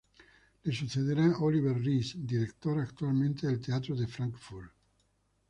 Le sucederá Oliver Reese, director actualmente del teatro de Frankfurt.